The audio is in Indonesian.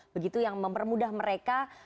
begitu yang mempermudah mereka